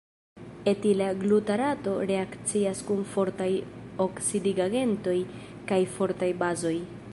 Etila glutarato reakcias kun fortaj oksidigagentoj kaj fortaj bazoj.